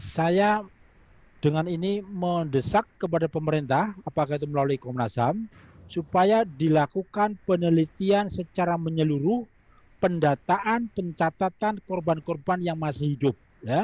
saya dengan ini mendesak kepada pemerintah apakah itu melalui komnas ham supaya dilakukan penelitian secara menyeluruh pendataan pencatatan korban korban yang masih hidup